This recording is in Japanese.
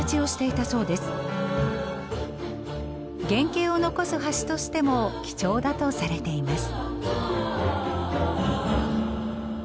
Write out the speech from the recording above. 原形を残す橋としても貴重だとされています。